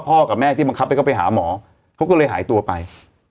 กับแม่ที่บังคับให้เขาไปหาหมอเขาก็เลยหายตัวไป